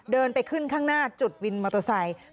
เดินไปขึ้นข้างหน้าจุดวินมอเตอร์ไซค์